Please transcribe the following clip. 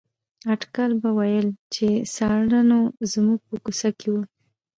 اټکل به ویل چې ساړه نو زموږ په کوڅه کې وو.